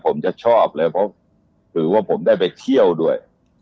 ผมจะชอบเลยเพราะถือว่าผมได้ไปเที่ยวด้วย